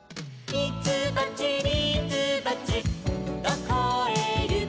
「みつばちみつばちどこへ行くの」